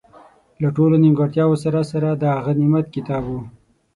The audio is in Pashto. له ټولو نیمګړتیاوو سره سره، دا غنیمت کتاب وو.